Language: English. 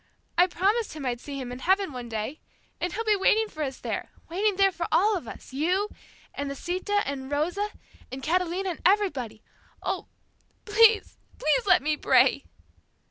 I promised him I'd see him in heaven one day, and he'll be waiting for us there, waiting there for all of us, you, and Lisita, and Rosa, and Catalina, and everybody. Oh, please, please let me pray!"